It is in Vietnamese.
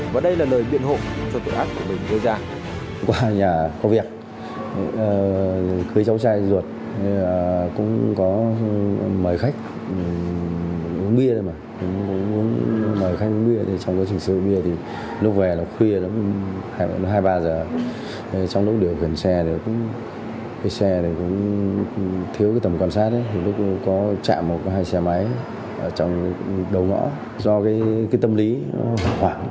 và đây là lời biện hộ cho tội ác của mình gây ra